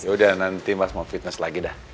yaudah nanti mas mau fitness lagi dah